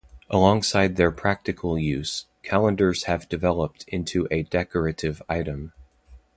Alongside their practical use, calendars have developed into a decorative item.